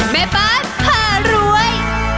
แม่บ้านผ่ารวย